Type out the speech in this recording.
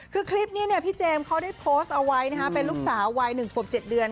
คือคลิปนี้พี่เจมส์เขาได้โพสต์เอาไว้เป็นลูกสาววัย๑ขวบ๗เดือน